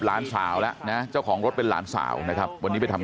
หลานสาวแล้วนะเจ้าของรถเป็นหลานสาวนะครับวันนี้ไปทำ